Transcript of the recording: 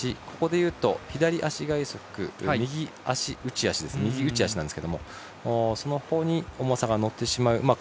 ここでいうと、左足外足右内足なんですけれども。そちらのほうに重さが乗ってしまう。